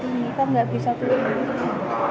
kan nggak bisa berubah